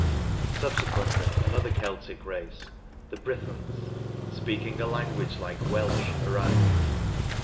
Subsequently another Celtic race — the Brythons — speaking a language like Welsh arrived.